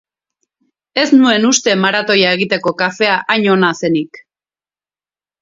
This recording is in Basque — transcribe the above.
Ez nuen uste maratoia egiteko kafea hain ona zenik.